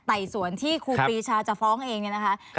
ไต่สวนที่ครูปีชาจะฟ้องเองเนี่ยนะคะ